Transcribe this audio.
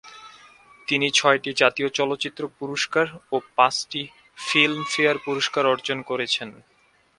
তিনি ছয়টি জাতীয় চলচ্চিত্র পুরস্কার ও পাঁচটি ফিল্মফেয়ার পুরস্কার অর্জন করেছেন।